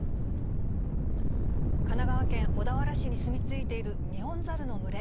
神奈川県小田原市に住み着いているニホンザルの群れ。